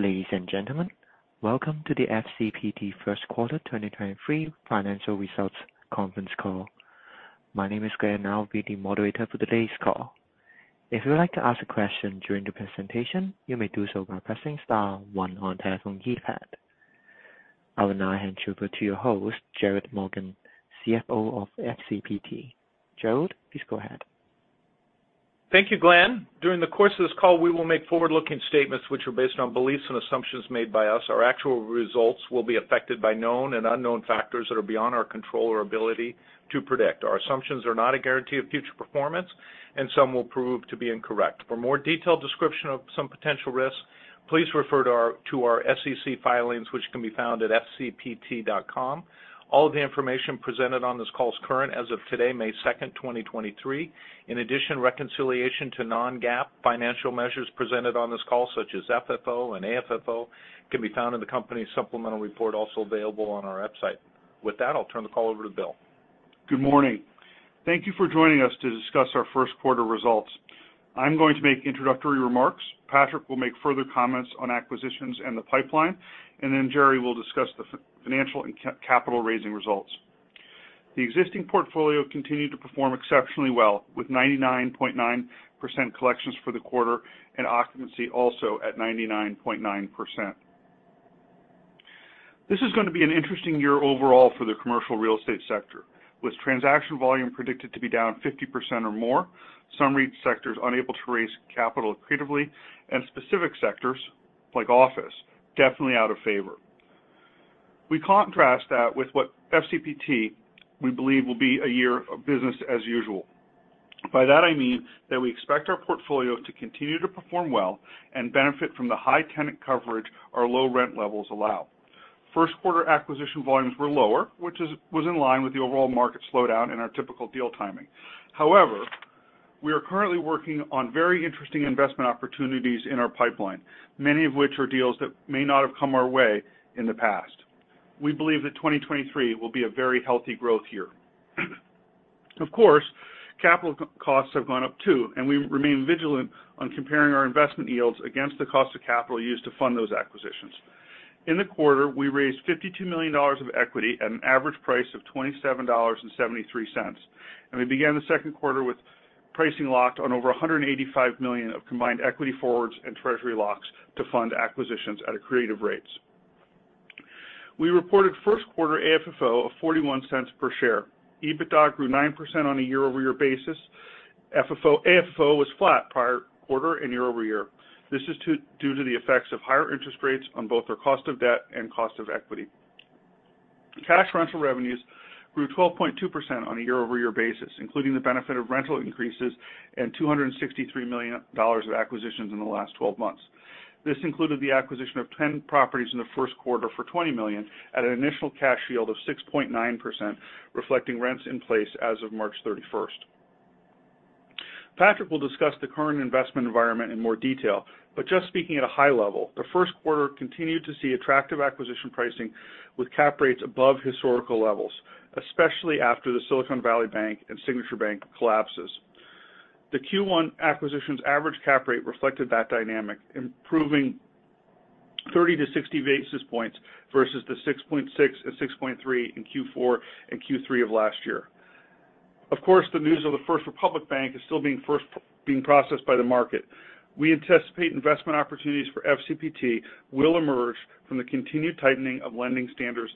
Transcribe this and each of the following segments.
Ladies and gentlemen, welcome to the FCPT First Quarter 2023 Financial Results Conference Call. My name is Glenn, I'll be the moderator for today's call. If you would like to ask a question during the presentation, you may do so by pressing star one on telephone keypad. I will now hand you over to your host, Gerry Morgan, CFO of FCPT. Gerald, please go ahead. Thank you, Glenn. During the course of this call, we will make forward-looking statements which are based on beliefs and assumptions made by us. Our actual results will be affected by known and unknown factors that are beyond our control or ability to predict. Our assumptions are not a guarantee of future performance. Some will prove to be incorrect. For more detailed description of some potential risks, please refer to our SEC filings, which can be found at fcpt.com. All of the information presented on this call is current as of today, May 2nd, 2023. In addition, reconciliation to non-GAAP financial measures presented on this call, such as FFO and AFFO, can be found in the company's supplemental report, also available on our website. With that, I'll turn the call over to Bill. Good morning. Thank you for joining us to discuss our first quarter results. I'm going to make introductory remarks. Patrick will make further comments on acquisitions and the pipeline, and then Jerry will discuss the financial and capital raising results. The existing portfolio continued to perform exceptionally well, with 99.9% collections for the quarter and occupancy also at 99.9%. This is gonna be an interesting year overall for the commercial real estate sector. With transaction volume predicted to be down 50% or more, some REIT sectors unable to raise capital creatively, and specific sectors, like office, definitely out of favor. We contrast that with what FCPT, we believe, will be a year of business as usual. By that I mean that we expect our portfolio to continue to perform well and benefit from the high tenant coverage our low rent levels allow. First quarter acquisition volumes were lower, which was in line with the overall market slowdown and our typical deal timing. We are currently working on very interesting investment opportunities in our pipeline, many of which are deals that may not have come our way in the past. We believe that 2023 will be a very healthy growth year. Of course, capital costs have gone up too, and we remain vigilant on comparing our investment yields against the cost of capital used to fund those acquisitions. In the quarter, we raised $52 million of equity at an average price of $27.73, and we began the second quarter with pricing locked on over $185 million of combined equity forwards and treasury locks to fund acquisitions at accretive rates. We reported first quarter AFFO of $0.41 per share. EBITDA grew 9% on a year-over-year basis. AFFO was flat prior quarter and year-over-year. This is due to the effects of higher interest rates on both our cost of debt and cost of equity. Cash rental revenues grew 12.2% on a year-over-year basis, including the benefit of rental increases and $263 million of acquisitions in the last 12 months. This included the acquisition of 10 properties in the first quarter for $20 million at an initial cash yield of 6.9%, reflecting rents in place as of March 31st. Patrick will discuss the current investment environment in more detail. Just speaking at a high level, the first quarter continued to see attractive acquisition pricing with cap rates above historical levels, especially after the Silicon Valley Bank and Signature Bank collapses. The Q1 acquisition's average cap rate reflected that dynamic, improving 30-60 basis points versus the 6.6 and 6.3 in Q4 and Q3 of last year. Of course, the news of the First Republic Bank is still being processed by the market. We anticipate investment opportunities for FCPT will emerge from the continued tightening of lending standards.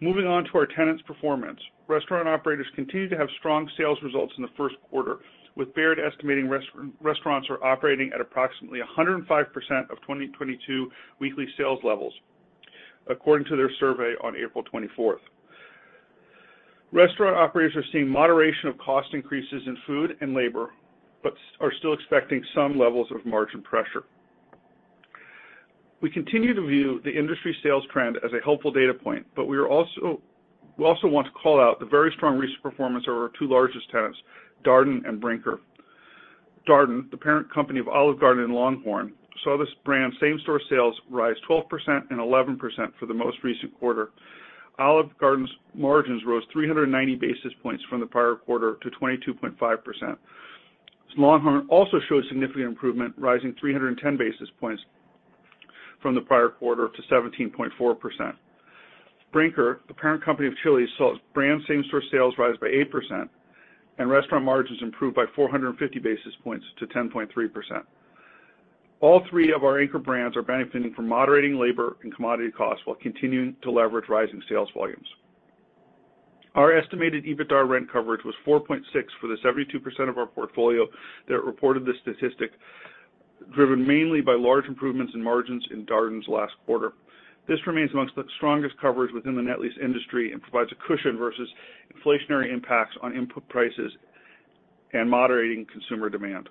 Moving on to our tenants' performance. Restaurant operators continued to have strong sales results in the first quarter, with Baird estimating restaurants are operating at approximately 105% of 2022 weekly sales levels, according to their survey on April 24th. Restaurant operators are seeing moderation of cost increases in food and labor, but are still expecting some levels of margin pressure. We continue to view the industry sales trend as a helpful data point, but we also want to call out the very strong recent performance of our two largest tenants, Darden and Brinker. Darden, the parent company of Olive Garden and LongHorn Steakhouse, saw this brand same-store sales rise 12% and 11% for the most recent quarter. Olive Garden's margins rose 390 basis points from the prior quarter to 22.5%. LongHorn Steakhouse also showed significant improvement, rising 310 basis points from the prior quarter to 17.4%. Brinker, the parent company of Chili's, saw its brand same-store sales rise by 8% and restaurant margins improve by 450 basis points to 10.3%. All three of our anchor brands are benefiting from moderating labor and commodity costs while continuing to leverage rising sales volumes. Our estimated EBITDA rent coverage was 4.6 for the 72% of our portfolio that reported this statistic, driven mainly by large improvements in margins in Darden's last quarter. This remains amongst the strongest coverage within the net lease industry and provides a cushion versus inflationary impacts on input prices and moderating consumer demand.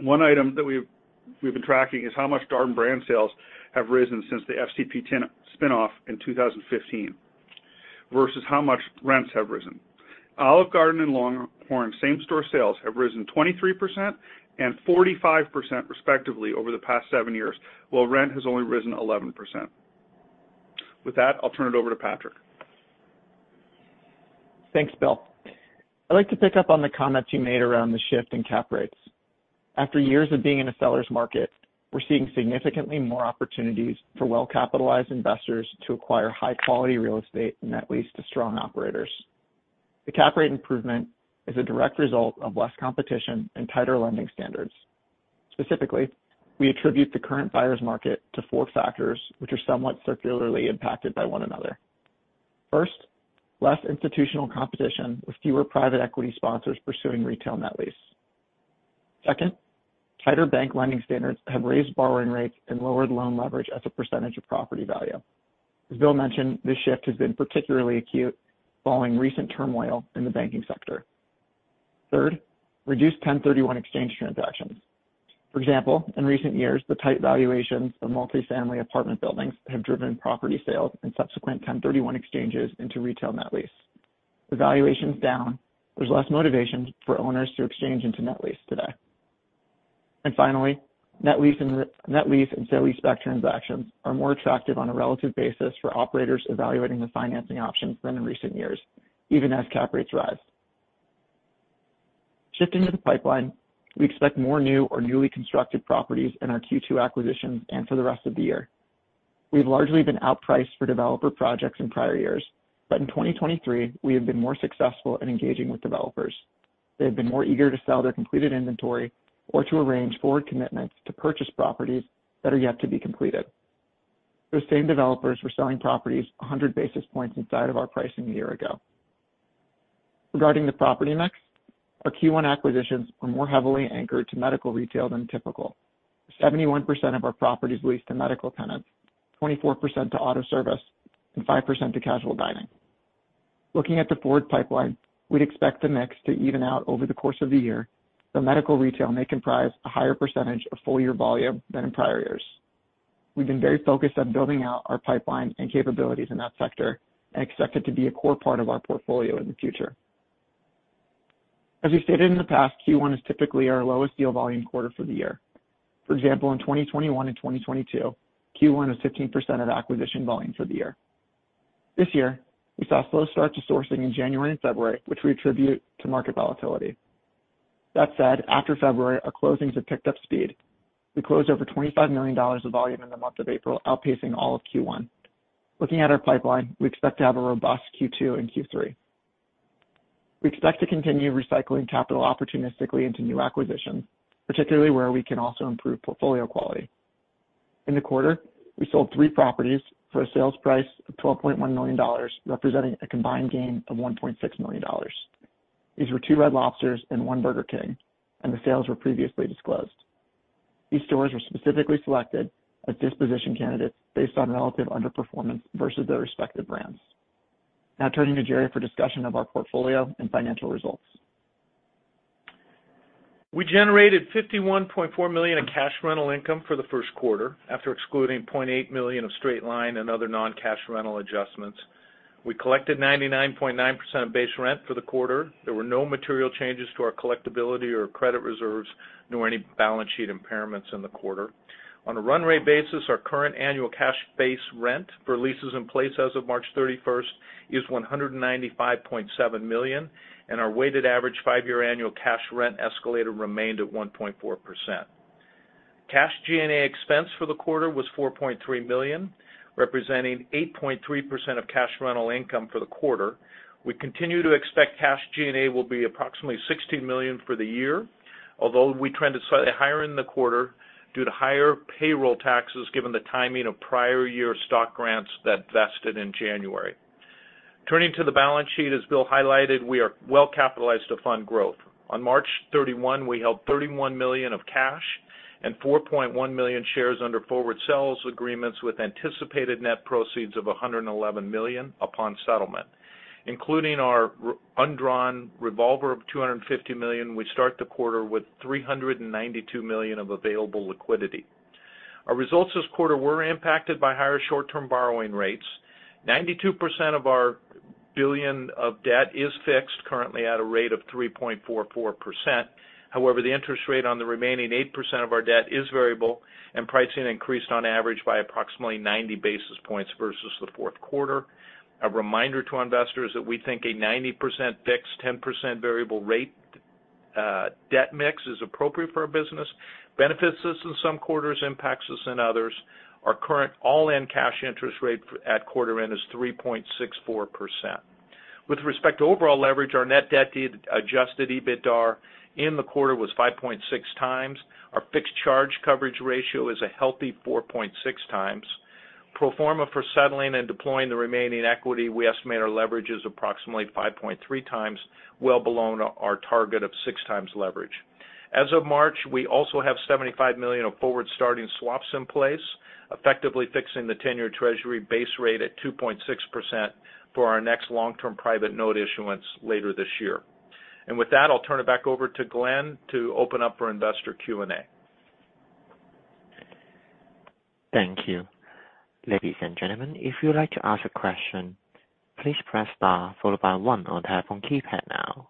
One item that we've been tracking is how much Darden brand sales have risen since the FCPT tenant spin-off in 2015 versus how much rents have risen. Olive Garden and LongHorn same-store sales have risen 23% and 45% respectively over the past seven years, while rent has only risen 11%. With that, I'll turn it over to Patrick. Thanks, Bill. I'd like to pick up on the comments you made around the shift in cap rates. After years of being in a seller's market, we're seeing significantly more opportunities for well-capitalized investors to acquire high-quality real estate net lease to strong operators. The cap rate improvement is a direct result of less competition and tighter lending standards. Specifically, we attribute the current buyers market to four factors, which are somewhat circularly impacted by one another. First, less institutional competition with fewer private equity sponsors pursuing retail net lease. Second, tighter bank lending standards have raised borrowing rates and lowered loan leverage as a % of property value. As Bill mentioned, this shift has been particularly acute following recent turmoil in the banking sector. Third, reduced 1031 exchange transactions. For example, in recent years, the tight valuations of multifamily apartment buildings have driven property sales and subsequent 1031 exchanges into retail net lease. The valuation's down, there's less motivation for owners to exchange into net lease today. Finally, net lease and sale leaseback transactions are more attractive on a relative basis for operators evaluating the financing options than in recent years, even as cap rates rise. Shifting to the pipeline, we expect more new or newly constructed properties in our Q2 acquisitions and for the rest of the year. We've largely been outpriced for developer projects in prior years, in 2023 we have been more successful in engaging with developers. They have been more eager to sell their completed inventory or to arrange forward commitments to purchase properties that are yet to be completed. Those same developers were selling properties 100 basis points inside of our pricing a year ago. Regarding the property mix, our Q1 acquisitions were more heavily anchored to medical retail than typical. 71% of our property is leased to medical tenants, 24% to auto service, and 5% to casual dining. Looking at the forward pipeline, we'd expect the mix to even out over the course of the year, the medical retail may comprise a higher % of full year volume than in prior years. We've been very focused on building out our pipeline and capabilities in that sector and expect it to be a core part of our portfolio in the future. As we stated in the past, Q1 is typically our lowest deal volume quarter for the year. For example, in 2021 and 2022, Q1 is 15% of acquisition volume for the year. This year, we saw a slow start to sourcing in January and February, which we attribute to market volatility. That said, after February, our closings have picked up speed. We closed over $25 million of volume in the month of April, outpacing all of Q1. Looking at our pipeline, we expect to have a robust Q2 and Q3. We expect to continue recycling capital opportunistically into new acquisitions, particularly where we can also improve portfolio quality. In the quarter, we sold three properties for a sales price of $12.1 million, representing a combined gain of $1.6 million. These were 2 Red Lobsters and one Burger King, and the sales were previously disclosed. These stores were specifically selected as disposition candidates based on relative underperformance versus their respective brands. Now turning to Jerry for discussion of our portfolio and financial results. We generated $51.4 million in cash rental income for the first quarter, after excluding $0.8 million of straight line and other non-cash rental adjustments. We collected 99.9% of base rent for the quarter. There were no material changes to our collectibility or credit reserves, nor any balance sheet impairments in the quarter. On a run rate basis, our current annual cash base rent for leases in place as of March 31st is $195.7 million, and our weighted average five-year annual cash rent escalator remained at 1.4%. Cash G&A expense for the quarter was $4.3 million, representing 8.3% of cash rental income for the quarter. We continue to expect cash G&A will be approximately $16 million for the year, although we trended slightly higher in the quarter due to higher payroll taxes, given the timing of prior year stock grants that vested in January. Turning to the balance sheet, as Bill highlighted, we are well capitalized to fund growth. On March 31, we held $31 million of cash and 4.1 million shares under forward sales agreements with anticipated net proceeds of $111 million upon settlement. Including our undrawn revolver of $250 million, we start the quarter with $392 million of available liquidity. Our results this quarter were impacted by higher short-term borrowing rates. 92% of our $1 billion of debt is fixed, currently at a rate of 3.44%. The interest rate on the remaining 8% of our debt is variable, and pricing increased on average by approximately 90 basis points versus the fourth quarter. A reminder to investors that we think a 90% fixed, 10% variable rate debt mix is appropriate for our business. Benefits us in some quarters, impacts us in others. Our current all-in cash interest rate at quarter end is 3.64%. With respect to overall leverage, our net debt to adjusted EBITDA in the quarter was 5.6x. Our fixed charge coverage ratio is a healthy 4.6x. Pro forma for settling and deploying the remaining equity, we estimate our leverage is approximately 5.3x, well below our target of 6x leverage. As of March, we also have $75 million of forward starting swaps in place, effectively fixing the 10-year treasury base rate at 2.6% for our next long-term private note issuance later this year. With that, I'll turn it back over to Glenn to open up for investor Q&A. Thank you. Ladies and gentlemen, if you would like to ask a question, please press star followed by 1 on your telephone keypad now.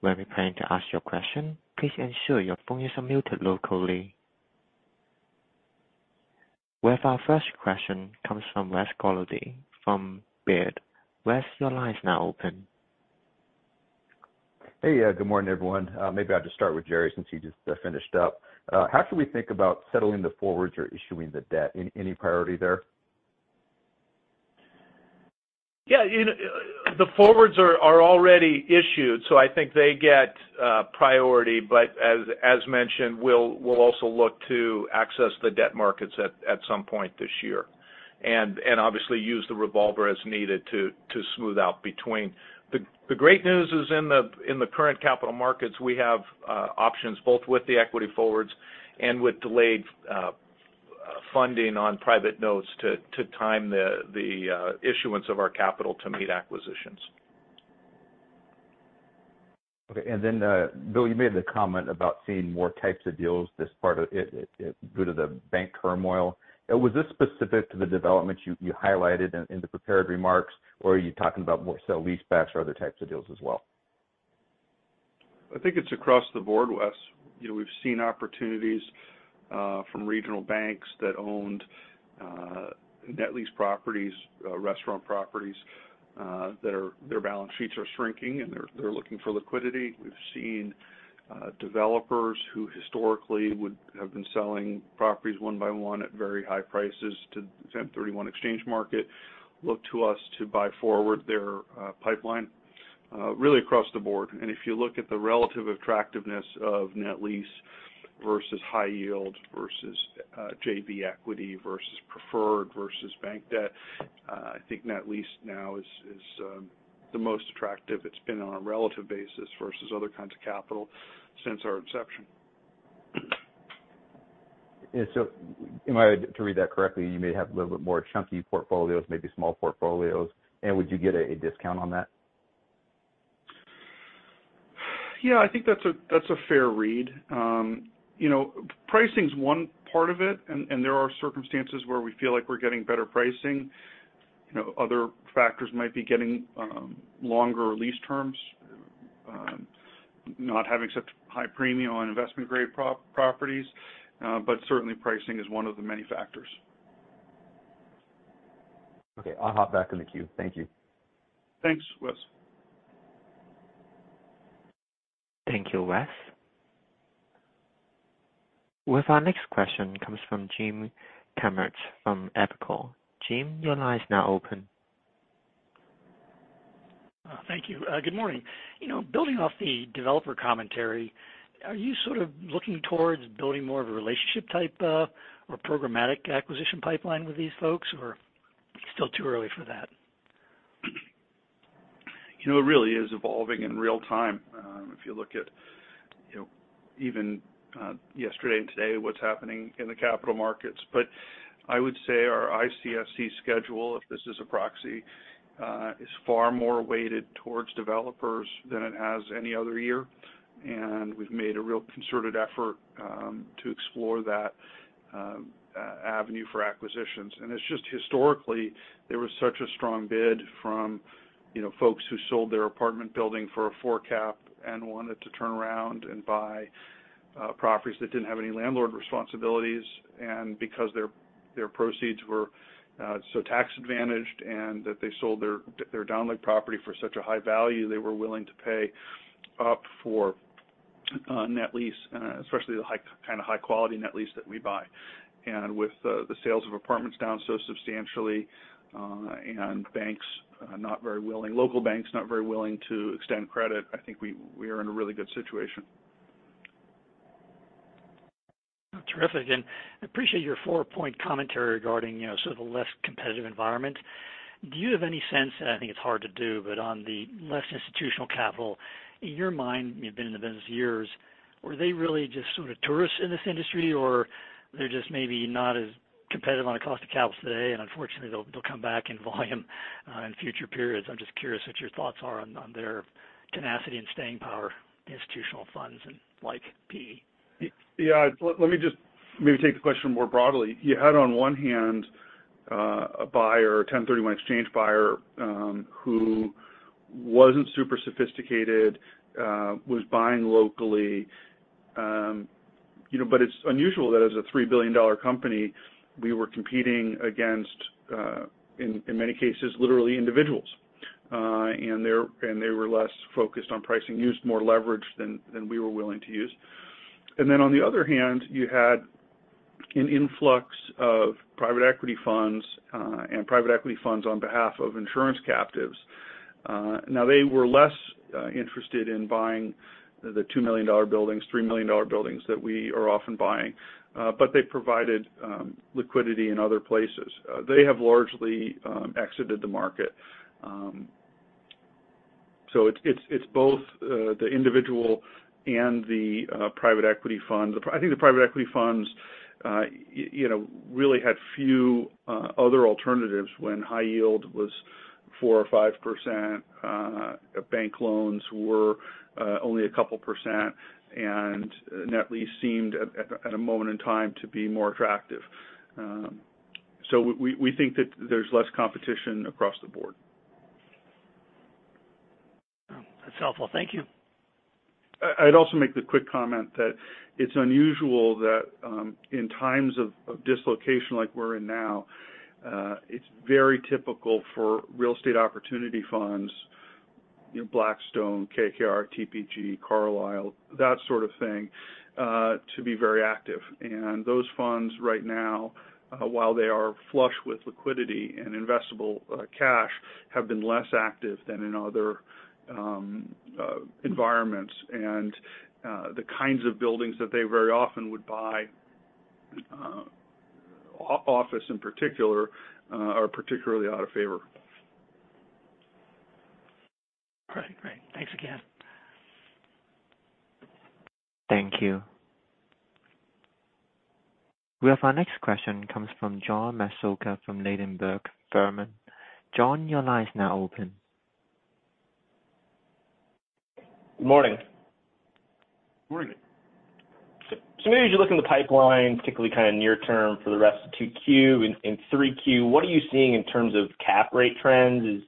When preparing to ask your question, please ensure your phone is muted locally. We have our first question comes from Wes from Baird. Wes, your line is now open. Hey, good morning, everyone. Maybe I'll just start with Jerry since he just finished up. How should we think about settling the forwards or issuing the debt? Any priority there? Yeah. You know, the forwards are already issued, so I think they get priority. As mentioned, we'll also look to access the debt markets at some point this year, and obviously use the revolver as needed to smooth out between. The great news is in the current capital markets, we have options both with the equity forwards and with delayed funding on private notes to time the issuance of our capital to meet acquisitions. Okay. Bill, you made the comment about seeing more types of deals, this part of it, due to the bank turmoil. Was this specific to the development you highlighted in the prepared remarks, or are you talking about more sale-leasebacks or other types of deals as well? I think it's across the board, Wes. You know, we've seen opportunities from regional banks that owned net lease properties, restaurant properties, their balance sheets are shrinking, and they're looking for liquidity. We've seen developers who historically would have been selling properties one by one at very high prices to 1031 exchange market look to us to buy forward their pipeline really across the board. If you look at the relative attractiveness of net lease versus high yield versus JV equity versus preferred versus bank debt, I think net lease now is the most attractive it's been on a relative basis versus other kinds of capital since our inception. Am I to read that correctly, you may have a little bit more chunky portfolios, maybe small portfolios, and would you get a discount on that? Yeah, I think that's a fair read. You know, pricing's one part of it, and there are circumstances where we feel like we're getting better pricing. You know, other factors might be getting longer lease terms, not having such high premium on investment-grade properties, certainly pricing is one of the many factors. Okay. I'll hop back in the queue. Thank you. Thanks, Wes. Thank you, Wes. With our next question comes from James Kammerman from Evercore. Jim, your line is now open. Thank you. Good morning. You know, building off the developer commentary, are you sort of looking towards building more of a relationship type, or programmatic acquisition pipeline with these folks, or still too early for that? You know, it really is evolving in real time, if you look at, you know, even yesterday and today what's happening in the capital markets. I would say our ICSC schedule, if this is a proxy, is far more weighted towards developers than it has any other year, and we've made a real concerted effort to explore that avenue for acquisitions. It's just historically there was such a strong bid from, you know, folks who sold their apartment building for a 4 cap and wanted to turn around and buy properties that didn't have any landlord responsibilities. Because their proceeds were so tax-advantaged and that they sold their downleg property for such a high value, they were willing to pay up for net lease, especially the kinda high-quality net lease that we buy. With the sales of apartments down so substantially, and banks, local banks not very willing to extend credit, I think we are in a really good situation. Terrific. I appreciate your four-point commentary regarding, you know, sort of a less competitive environment. Do you have any sense, and I think it's hard to do, but on the less institutional capital, in your mind, you've been in the business years, were they really just sort of tourists in this industry, or they're just maybe not as competitive on the cost of capital today, and unfortunately they'll come back in volume in future periods? I'm just curious what your thoughts are on their tenacity and staying power, institutional funds and like PE. Yeah. Let me just maybe take the question more broadly. You had on one hand, a buyer, a 1031 exchange buyer, who wasn't super sophisticated, was buying locally. You know, but it's unusual that as a $3 billion company, we were competing against, in many cases, literally individuals, and they were less focused on pricing, used more leverage than we were willing to use. Then on the other hand, you had an influx of private equity funds, and private equity funds on behalf of insurance captives. They were less interested in buying the $2 million buildings, $3 million buildings that we are often buying, but they provided liquidity in other places. They have largely exited the market. It's both the individual and the private equity funds. I think the private equity funds, you know, really had few other alternatives when high yield was 4% or 5%, bank loans were only a couple percent, and net lease seemed at a moment in time to be more attractive. We think that there's less competition across the board. That's helpful. Thank you. I'd also make the quick comment that it's unusual that, in times of dislocation like we're in now, it's very typical for real estate opportunity funds, you know, Blackstone, KKR, TPG, Carlyle, that sort of thing, to be very active. Those funds right now, while they are flush with liquidity and investable cash, have been less active than in other environments. The kinds of buildings that they very often would buy, office in particular, are particularly out of favor. All right. Great. Thanks again. Thank you. We have our next question comes from John Massocca from Ladenburg Thalmann. John, your line is now open. Good morning. Morning. Maybe as you look in the pipeline, particularly kind of near term for the rest of 2Q and 3Q, what are you seeing in terms of cap rate trends? Is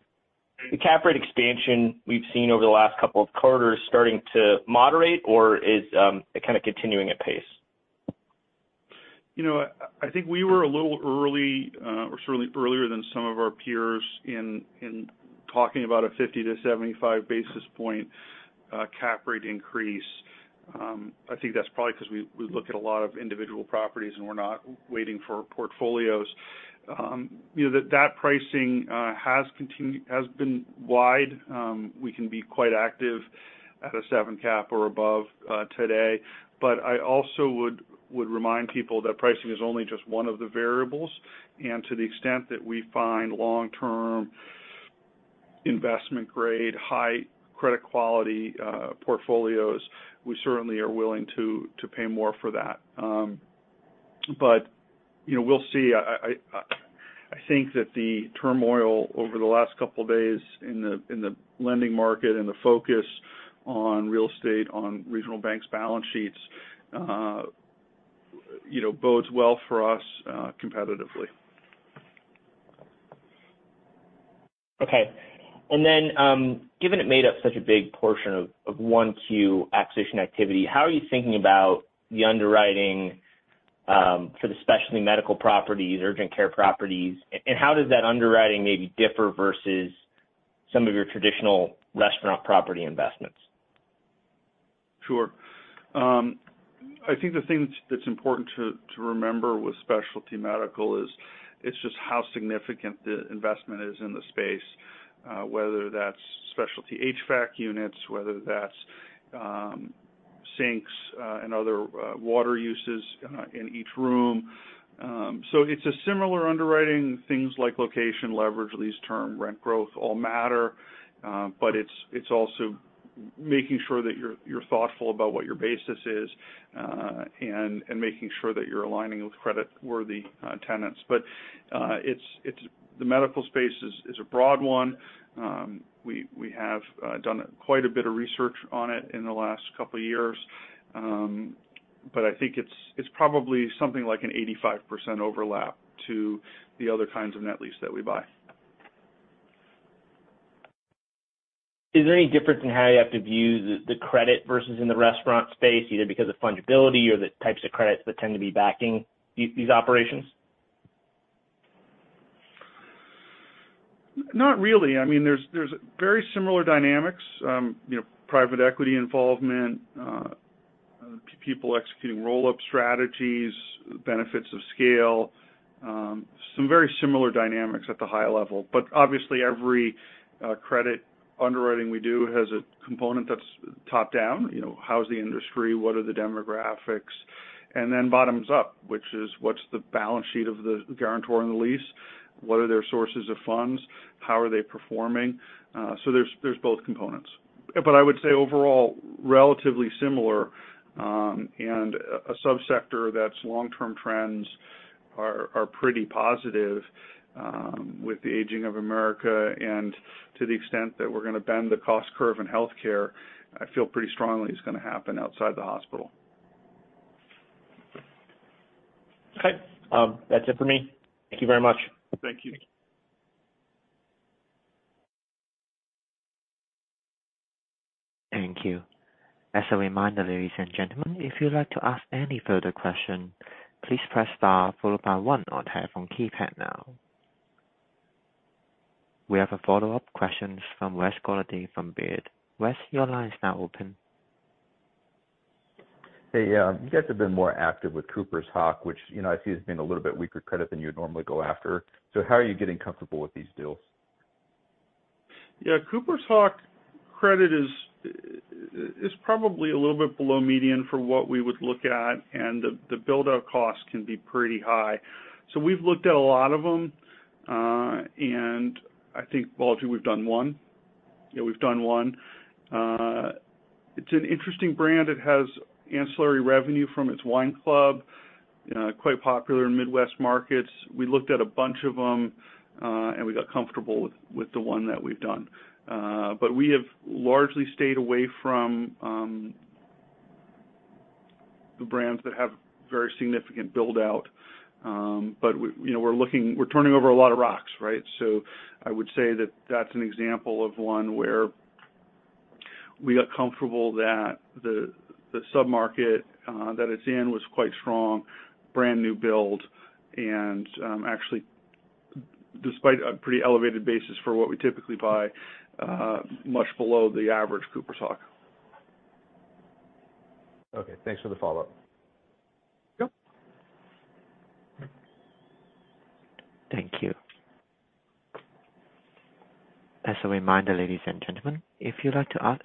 the cap rate expansion we've seen over the last couple of quarters starting to moderate or is it kinda continuing at pace? You know, I think we were a little early, or certainly earlier than some of our peers in talking about a 50 to 75 basis point cap rate increase. I think that's probably 'cause we look at a lot of individual properties and we're not waiting for portfolios. You know, that pricing has been wide. We can be quite active at a 7 cap or above today. I also would remind people that pricing is only just one of the variables, and to the extent that we find long-term investment grade, high credit quality portfolios, we certainly are willing to pay more for that. You know, we'll see. I think that the turmoil over the last couple days in the lending market and the focus on real estate, on regional banks' balance sheets, you know, bodes well for us competitively. Okay. Given it made up such a big portion of 1 Q acquisition activity, how are you thinking about the underwriting for the specialty medical properties, urgent care properties, and how does that underwriting maybe differ versus some of your traditional restaurant property investments? Sure. I think the thing that's important to remember with specialty medical is, it's just how significant the investment is in the space, whether that's specialty HVAC units, whether that's sinks, and other water uses in each room. So it's a similar underwriting. Things like location, leverage, lease term, rent growth, all matter. but it's also making sure that you're thoughtful about what your basis is, and making sure that you're aligning with creditworthy tenants. The medical space is a broad one. we have done quite a bit of research on it in the last couple years. but I think it's probably something like an 85% overlap to the other kinds of net lease that we buy. Is there any difference in how you have to view the credit versus in the restaurant space, either because of fungibility or the types of credits that tend to be backing these operations? Not really. I mean, there's very similar dynamics, you know, private equity involvement, people executing roll-up strategies, benefits of scale, some very similar dynamics at the high level. Obviously every credit underwriting we do has a component that's top-down, you know, how is the industry, what are the demographics? Then bottoms up, which is what's the balance sheet of the guarantor on the lease? What are their sources of funds? How are they performing? There's both components. I would say overall, relatively similar, and a subsector that's long-term trends are pretty positive, with the aging of America and to the extent that we're gonna bend the cost curve in healthcare, I feel pretty strongly is gonna happen outside the hospital. Okay. That's it for me. Thank you very much. Thank you. Thank you. As a reminder, ladies and gentlemen, if you'd like to ask any further question, please press star followed by one on telephone keypad now. We have a follow-up questions from Wes Golladay from Baird. Wes, your line is now open. Hey, you guys have been more active with Cooper's Hawk, which, you know, I see as being a little bit weaker credit than you would normally go after. How are you getting comfortable with these deals? Cooper's Hawk credit is probably a little bit below median for what we would look at, and the build-out costs can be pretty high. We've looked at a lot of them, and I think, Wes, we've done one. We've done one. It's an interesting brand. It has ancillary revenue from its wine club, quite popular in Midwest markets. We looked at a bunch of them, and we got comfortable with the one that we've done. We have largely stayed away from the brands that have very significant build-out. We, you know, we're turning over a lot of rocks, right? I would say that that's an example of one where we got comfortable that the sub-market, that it's in was quite strong, brand new build, and actually despite a pretty elevated basis for what we typically buy, much below the average Cooper's Hawk. Okay, thanks for the follow-up. Yep. Thank you. As a reminder, ladies and gentlemen, if you'd like to ask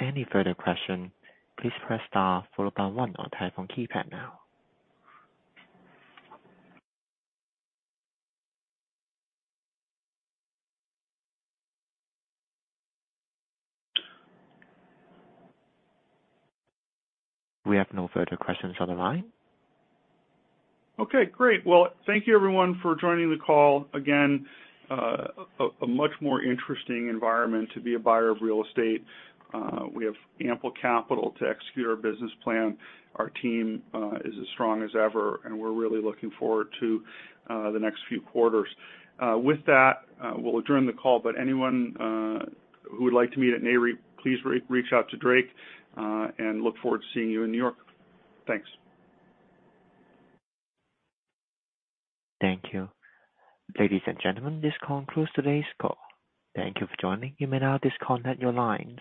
any further question, please press star followed by one on telephone keypad now. We have no further questions on the line. Okay, great. Well, thank you everyone for joining the call. Again, a much more interesting environment to be a buyer of real estate. We have ample capital to execute our business plan. Our team is as strong as ever, and we're really looking forward to the next few quarters. With that, we'll adjourn the call, but anyone who would like to meet at NAREIT, please re-reach out to Drake, and look forward to seeing you in New York. Thanks. Thank you. Ladies and gentlemen, this concludes today's call. Thank you for joining. You may now disconnect your lines.